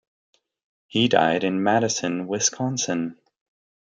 He died in Madison, Wisconsin.